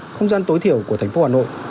không gian tối thiểu của thành phố hà nội